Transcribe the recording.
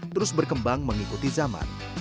terus berkembang mengikuti zaman